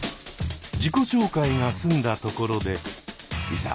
自己紹介が済んだところでいざ